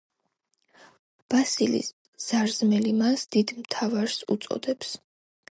ბასილი ზარზმელი მას დიდ მთავარს უწოდებს.